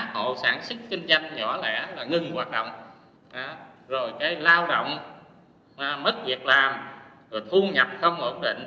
hộ sản xuất kinh doanh nhỏ lẻ là ngừng hoạt động rồi cái lao động mất việc làm rồi thu nhập không ổn định